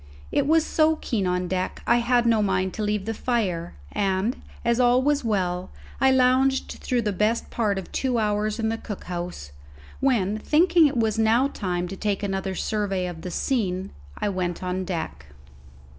It was so keen on deck that I had no mind to leave the fire, and, as all was well, I lounged through the best part of two hours in the cook house, when, thinking it was now time to take another survey of the scene I went on deck.